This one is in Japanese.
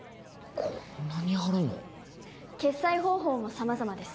こんなにあるの決済方法も様々です